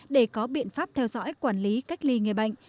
để có biện pháp theo dõi quản lý cách ly người bệnh